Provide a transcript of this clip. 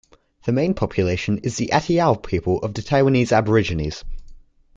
The main population is the Atayal people of the Taiwanese aborigines.